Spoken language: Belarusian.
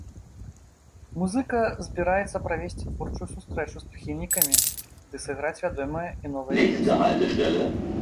Музыка збіраецца правесці творчую сустрэчу з прыхільнікамі ды сыграць вядомыя і новыя песні.